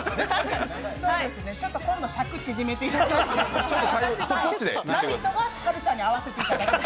今度、尺縮めていただいて「ラヴィット！」がはるちゃんに合わせていただいて。